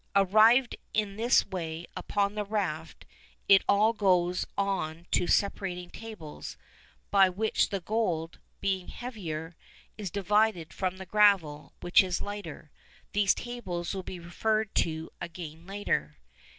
Arrived in this way upon the raft, it all goes on to separating tables, by which the gold, being heavier, is divided from the gravel, which is lighter. These tables will be referred to again later.